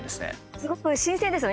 すごく新鮮ですよね。